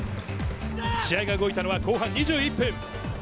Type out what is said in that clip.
試合が動いたのは後半２１分。